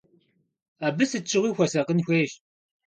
Абы сыт щыгъуи хуэсакъын хуейщ.